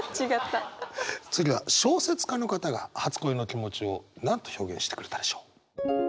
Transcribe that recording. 次は小説家の方が初恋の気持ちを何と表現してくれたでしょう？